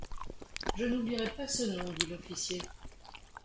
Je n’oublierai pas ce nom, dit l’officier.